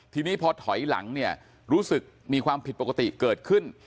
ทีนี้พอถอยหลังเนี่ยรู้สึกมีความผิดปกติเกิดขึ้น